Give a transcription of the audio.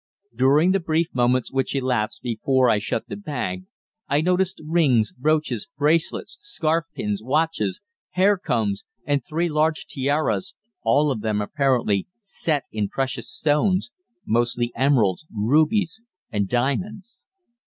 During the brief moments which elapsed before I shut the bag, I noticed rings, brooches, bracelets, scarf pins, watches, hair combs and three large tiaras, all of them, apparently, set in precious stones mostly emeralds, rubies and diamonds.